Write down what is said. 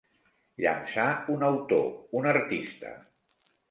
Llançar un autor, un artista.